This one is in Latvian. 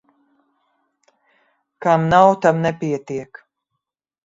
Kam nav, tam nepietiek.